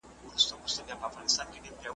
راست اوسه په لویه لار کي ناست اوسه `